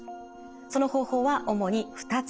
その方法は主に２つあります。